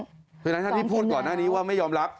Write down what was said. เพราะฉะนั้นท่านที่พูดก่อนหน้านี้ว่าไม่ยอมรับ